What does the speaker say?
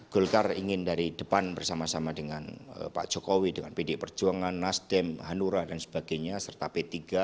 golkar ingin dari depan bersama sama dengan pak jokowi dengan pd perjuangan nasdem hanura dan sebagainya serta p tiga